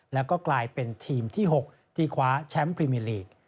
แล้วก็กลายเป็นทีมที่๖ที่คว้าแชมป์พรีเมอร์ลีก